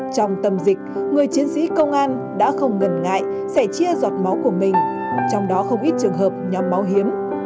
trong tâm dịch người chiến sĩ công an đã không ngần ngại sẽ chia giọt máu của mình trong đó không ít trường hợp nhóm máu hiếm